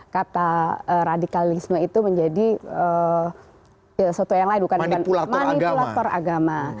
kata radikalisme itu menjadi manipulator agama